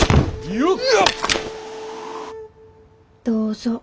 どうぞ。